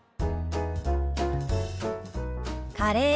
「カレー」。